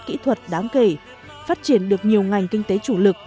kỹ thuật đáng kể phát triển được nhiều ngành kinh tế chủ lực